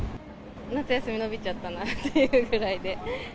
夏休み延びちゃったなっていうぐらいで。